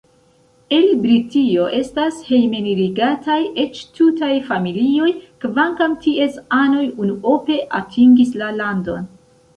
El Britio estas hejmenirigataj eĉ tutaj familioj, kvankam ties anoj unuope atingis la landon.